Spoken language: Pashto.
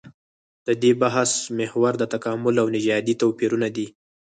د دې بحث محور د تکامل او نژادي توپيرونه دي.